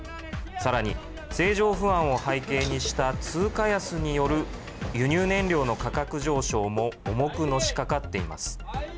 さらに、政情不安を背景にした通貨安による輸入燃料の価格上昇も重くのしかかっています。